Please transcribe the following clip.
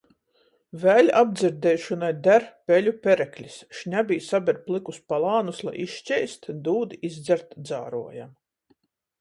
Vēļ apdzirdeišonai der peļu pereklis - šņabī saber plykus palānus, lai izškeist, dūd izdzert dzāruojam.